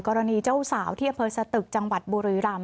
กรณีเจ้าสาวที่อเภิร์สตึกจังหวัดบุรีรัมป์